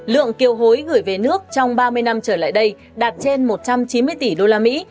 lượng kiều hối gửi về nước trong ba mươi năm trở lại đây đạt trên một trăm chín mươi tỷ đô la mỹ